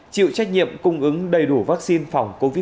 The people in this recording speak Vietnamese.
chịu trách nhiệm cung ứng đầy đủ vaccine phòng covid một mươi chín